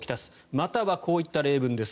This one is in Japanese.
またはこういった例文です。